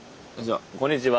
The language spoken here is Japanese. こんにちは。